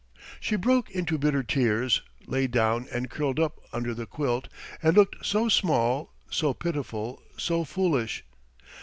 She broke into bitter tears, lay down and curled up under the quilt, and looked so small, so pitiful, so foolish.